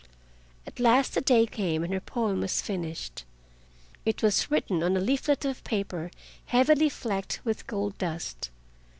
At last the day came and her poem was finished. It was written on a leaflet of paper heavily flecked with gold dust.